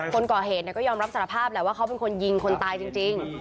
คนก่อเหตุก็ยอมรับสารภาพแหละว่าเขาเป็นคนยิงคนตายจริง